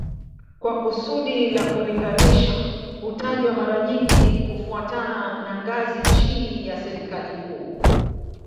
Kwa kusudi la kulinganisha hutajwa mara nyingi kufuatana na ngazi chini ya serikali kuu